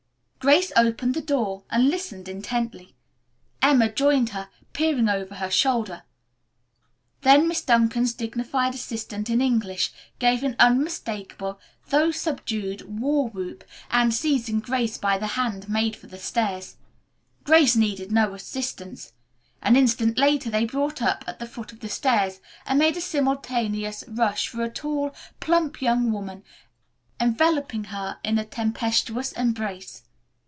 Grace opened the door and listened intently. Emma joined her, peering over her shoulder. Then Miss Duncan's dignified assistant in English gave an unmistakable, though subdued, war whoop, and, seizing Grace by the hand, made for the stairs. Grace needed no assistance. An instant later they brought up at the foot of the stairs and made a simultaneous rush for a tall, plump young woman, enveloping her in a tempestuous embrace.